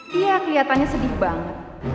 dia kelihatannya sedih banget